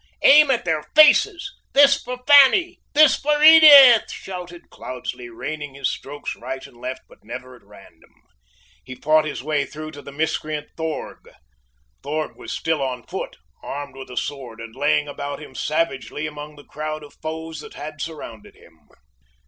Aim at their faces. This for Fanny! This for Edith!" shouted Cloudesley, raining his strokes right and left, but never at random. He fought his way through to the miscreant Thorg. Thorg was still on foot, armed with a sword, and laying about him savagely among the crowd of foes that had surrounded him.